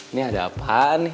ini ada apaan nih